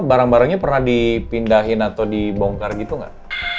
barang barangnya pernah dipindahin atau dibongkar gitu nggak